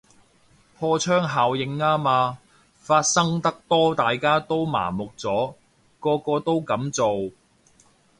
破窗效應吖嘛，發生得多大家都麻木咗，個個都噉做